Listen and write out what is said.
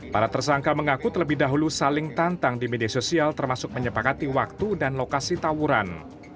para tersangka mengaku terlebih dahulu saling tantang di media sosial termasuk menyepakati waktu dan lokasi tawuran